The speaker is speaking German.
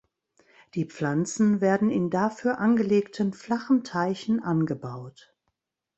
Die Pflanzen werden in dafür angelegten flachen Teichen angebaut.